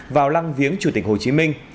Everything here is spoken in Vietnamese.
vào lăng viếng chủ tịch hồ chí minh